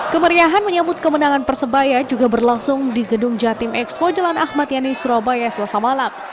kemeriahan menyambut kemenangan persebaya juga berlangsung di gedung jatim expo jalan ahmad yani surabaya selasa malam